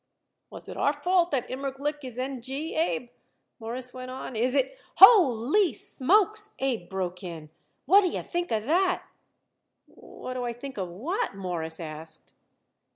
"Was it our fault that Immerglick is N. G., Abe?" Morris went on. "Is it " "Ho ly smokes!" Abe broke in. "What d'ye think of that?" "What do I think of what?" Morris asked.